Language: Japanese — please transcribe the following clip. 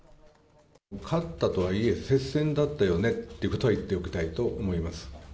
勝ったとはいえ、接戦だったよねということは言っておきたいと思います。